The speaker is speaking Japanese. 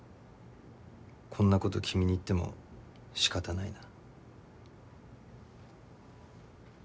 こんなこと君に言ってもしかたないな。